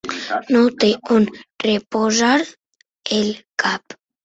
No té on reposar el cap.